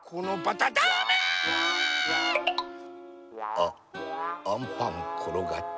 あアンパンころがった。